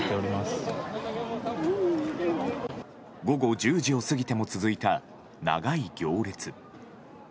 午後１０時を過ぎても続いた長い行列。